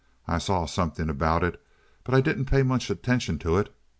"I saw something about it, but I didn't pay much attention to it.